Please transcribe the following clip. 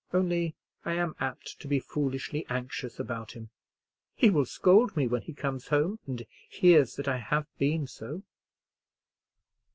Only I am apt to be foolishly anxious about him. He will scold me when he comes home and hears that I have been so."